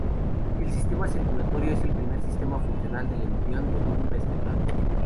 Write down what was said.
El sistema circulatorio es el primer sistema funcional del embrión de un vertebrado.